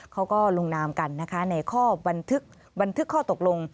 เขาก็ลงนามกันนะคะในข้อบันทึกบันทึกข้อตกลง